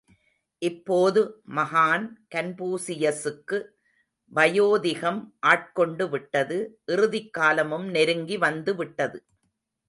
இப்போது மகான் கன்பூசியசுக்கு வயோதிகம் ஆட்கொண்டு விட்டது இறுதிக் காலமும் நெருங்கி வந்துவிட்டது.